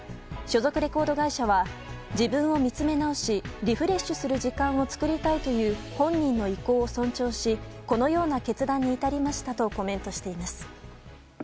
所属レコード会社は自分を見つめ直しリフレッシュする時間を作りたいという本人の意向を尊重しこのような決断に至りましたとコメントしています。